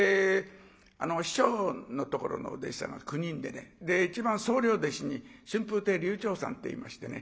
師匠のところのお弟子さんが９人で一番総領弟子に春風亭柳朝さんっていましてね。